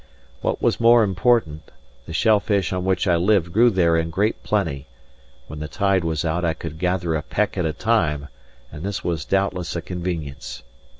What was more important, the shell fish on which I lived grew there in great plenty; when the tide was out I could gather a peck at a time: and this was doubtless a convenience.